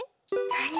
なに？